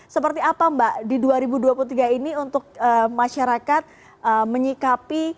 seperti apa mbak di dua ribu dua puluh tiga ini untuk masyarakat menyikapi